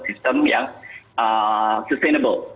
sistem yang sustainable